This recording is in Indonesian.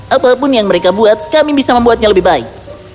apapun yang mereka buat kami bisa membuatnya lebih baik